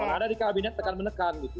orang ada di kabinet tekan menekan gitu